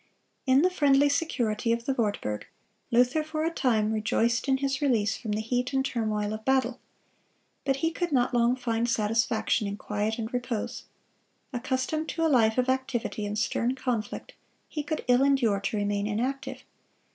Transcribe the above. In the friendly security of the Wartburg, Luther for a time rejoiced in his release from the heat and turmoil of battle. But he could not long find satisfaction in quiet and repose. Accustomed to a life of activity and stern conflict, he could ill endure to remain inactive.